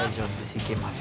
いけます。